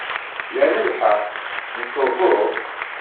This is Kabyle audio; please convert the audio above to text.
Lan lḥeqq, neɣ uhu?